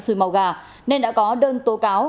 sùi màu gà nên đã có đơn tố cáo